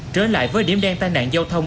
trở lại với điểm đen tai nạn giao thông